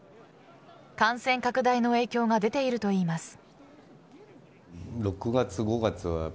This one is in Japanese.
感染拡大の影響が出ているといいます。